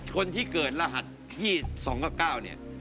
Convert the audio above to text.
คนที่เกิดรหัสที่๒กับ๙เนี่ย